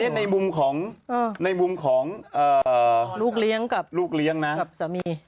ในมุมของในมุมของลูกเลี้ยงกับลูกเลี้ยงนะกับสามี